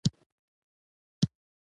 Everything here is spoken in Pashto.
بوتل د ماشومو لپاره کوچنۍ بڼه لري.